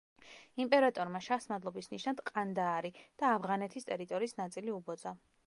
იმპერატორმა შაჰს მადლობის ნიშნად ყანდაარი და ავღანეთის ტერიტორიის ნაწილი უბოძა.